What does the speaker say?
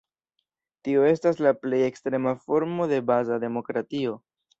Tio estas la plej ekstrema formo de baza demokratio.